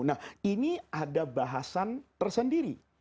nah ini ada bahasan tersendiri